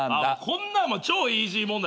こんなん超イージー問題。